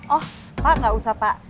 oh pak nggak usah pak